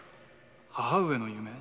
母上の夢を？